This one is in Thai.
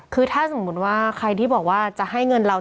คือถ้าสมมุติว่าใครที่บอกว่าจะให้เงินเรา